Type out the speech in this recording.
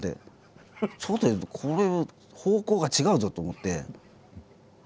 ちょっとこれ方向が違うぞと思って。